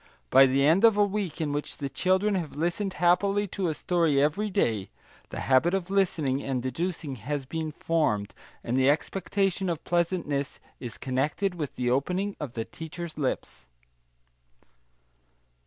By the end of a week in which the children have listened happily to a story every day, the habit of listening and deducing has been formed, and the expectation of pleasantness is connected with the opening of the teacher's lips.